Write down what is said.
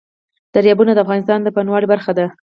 دریابونه د افغانستان د بڼوالۍ برخه ده.